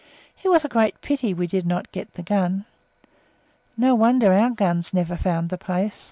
It was a great pity we did not get the gun. No wonder our guns never found the place.